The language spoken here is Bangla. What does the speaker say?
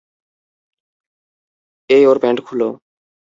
এই ওর প্যান্ট খুলো।